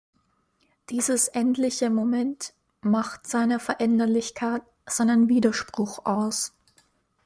Dieses endliche Moment macht seine Veränderlichkeit, seinen Widerspruch aus.